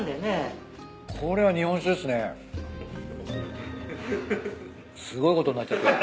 すごいことになっちゃってる。